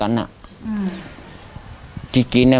อันนี้แบบนี่